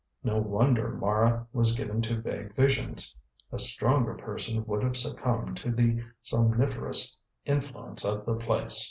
No wonder Mara was given to vague visions. A stronger person would have succumbed to the somniferous influence of the place.